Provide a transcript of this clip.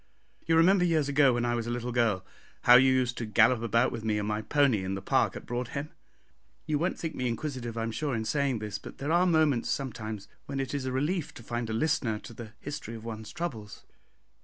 You remember, years ago, when I was a little girl, how you used to gallop about with me on my pony in the park at Broadhem? You won't think me inquisitive, I am sure, in saying this, but there are moments sometimes when it is a relief to find a listener to the history of one's troubles."